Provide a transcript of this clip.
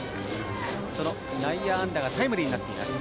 その内野安打がタイムリーになっています。